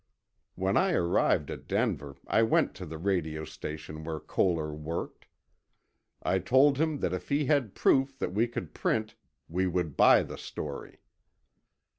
When I arrived at Denver, I went to the radio station where Koehler worked. I told him that if he had proof that we could print, we would buy the story.